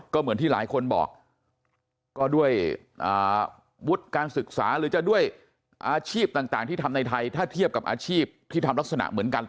ก็เหมือนที่หลายคนบอกก็ด้วยวุฒิการศึกษาหรือจะด้วยอาชีพต่างที่ทำในไทยถ้าเทียบกับอาชีพที่ทำลักษณะเหมือนกัน